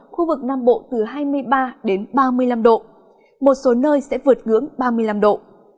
khu vực nam bộ từ hai mươi ba đến ba mươi năm độ một số nơi sẽ vượt ngưỡng ba mươi năm độ